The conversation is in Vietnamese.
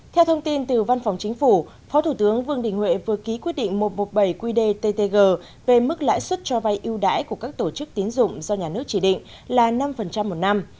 theo thông tin từ văn phòng chính phủ phó thủ tướng vương đình huệ vừa ký quyết định một trăm một mươi bảy qdttg về mức lãi suất cho vay ưu đãi của các tổ chức tín dụng do nhà nước chỉ định là năm một năm